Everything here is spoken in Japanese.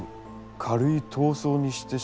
軽い痘瘡にしてしまう。